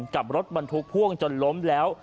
กับรถบรรทุกพ่วงจนล้มแล้ว